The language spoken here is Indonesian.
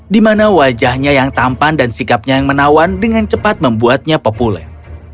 di mana wajahnya yang tampan dan sikapnya yang menawan dengan cepat membuatnya populer